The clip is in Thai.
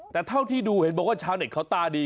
แต่เท่าที่ดูเห็นบอกว่าชาวเน็ตเขาตาดี